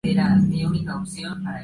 Grandioso hotel.